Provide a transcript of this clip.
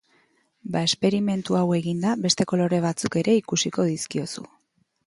Ba esperimentu hau eginda beste kolore batzuk ere ikusiko dizkiozu.